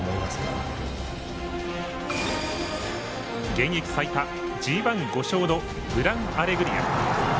現役最多ＧＩ、５勝のグランアレグリア。